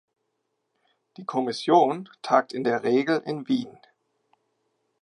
Die Kommission tagt in der Regel in Wien.